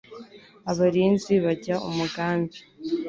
abarinzi bajya umugambi